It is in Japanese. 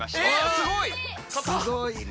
すごいね。